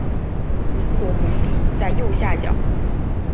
英国红底则在右下角。